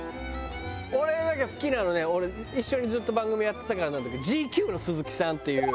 俺なんか好きなのね俺一緒にずっと番組やってたからなんだけど『ＧＱ』の鈴木さんっていう。